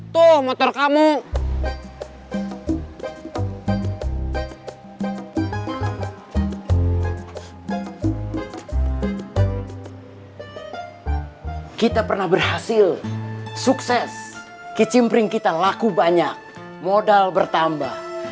tuh motor kamu kita pernah berhasil sukses kicimpring kita laku banyak modal bertambah